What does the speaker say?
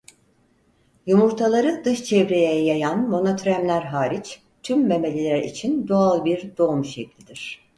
Yumurtaları dış çevreye yayan monotremler hariç tüm memeliler için doğal bir doğum şeklidir.